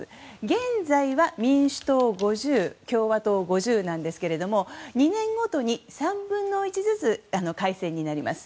現在は、民主党５０共和党５０なんですけども２年ごとに３分の１ずつ改選になります。